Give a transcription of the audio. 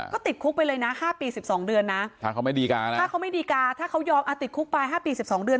ก็ติดคุกไปเลยค่าปี๑๒เดือนถ้าเขาไม่ดีกาถ้าเขายอบติดคุกไป๕เปียว๑๒เดือน